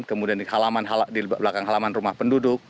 kemudian di belakang halaman rumah penduduk